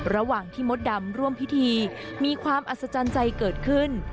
ระหว่างที่มดดำร่วมพิธีมีความอัศจรรย์ใจเกิดขึ้น